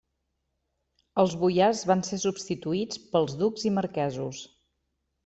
Els boiars van ser substituïts pels ducs i marquesos.